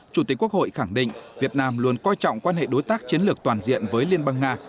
chủ tịch quốc hội khẳng định việt nam luôn coi trọng quan hệ đối tác chiến lược toàn diện với liên bang nga